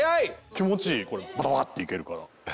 気持ちいいババっていけるから。